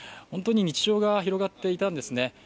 本当に日常が広がっていたんですね。